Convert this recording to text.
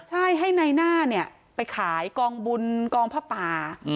ใช่ให้ไน่หน้าไปขายกองบุญกองพระป่า